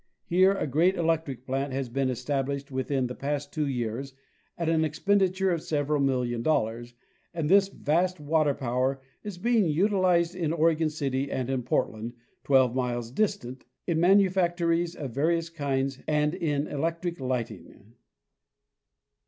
Here a great electric plant has been established within the past two years at an expenditure of several millions of dollars, and this vast water power is being utilized in Oregon City and in Portland, twelve miles distant, in manufactories of various kinds and in electric lighting.